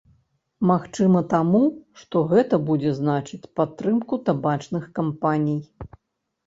Магчыма, таму, што гэта будзе значыць падтрымку табачных кампаній.